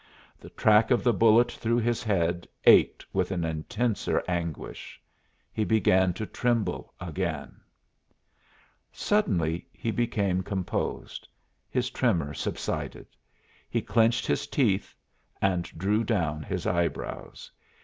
The track of the bullet through his head ached with an intenser anguish. He began to tremble again. Suddenly he became composed. His tremor subsided. He clenched his teeth and drew down his eyebrows.